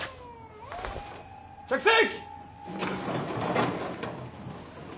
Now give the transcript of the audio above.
着席！